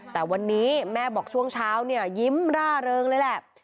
แต่วันนี้แม่บอกช่วงเช้าเนี่ยยิ้มร่าเริงเลยแหละ